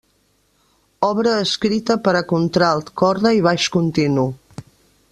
Obra escrita per a contralt, corda i baix continu.